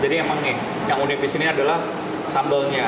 jadi emang nih yang unik di sini adalah sambelnya